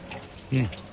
うん。